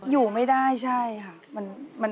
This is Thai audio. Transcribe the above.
อยู่ไม่ได้ใช่ค่ะ